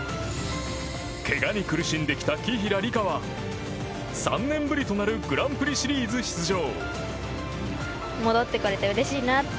けがに苦しんできた紀平梨花は３年ぶりとなるグランプリシリーズ出場。